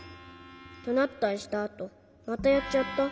どなったりしたあと「またやっちゃった。